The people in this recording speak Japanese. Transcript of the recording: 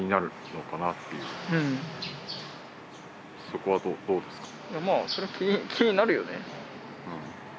そこはどうですか？